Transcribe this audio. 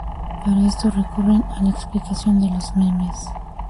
Para esto, recurren a la explicación de los memes.